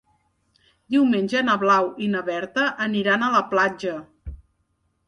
Diumenge na Blau i na Berta aniran a la platja.